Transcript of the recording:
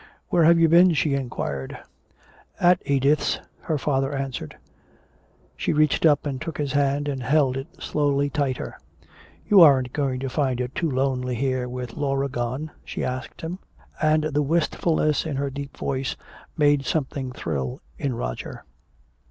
"Where have you been?" she inquired. "At Edith's," her father answered. She reached up and took his hand, and held it slowly tighter. "You aren't going to find it too lonely here, with Laura gone?" she asked him. And the wistfulness in her deep sweet voice made something thrill in Roger.